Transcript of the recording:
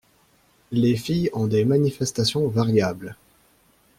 Les filles ont des manifestations variables.